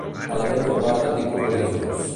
Element urbà de tipus religiós.